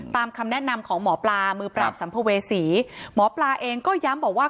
คำแนะนำของหมอปลามือปราบสัมภเวษีหมอปลาเองก็ย้ำบอกว่า